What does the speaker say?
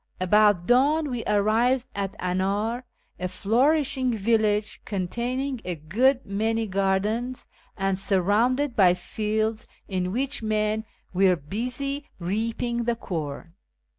About dawn we arrived at An; ir, a flourishing village containing a good many gardens, and sur rounded by fields in which men were busy rea})ing the corn.